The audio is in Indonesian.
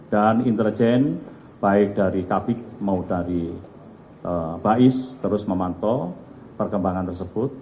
dan intergen baik dari kapik mau dari bais terus memantau perkembangan tersebut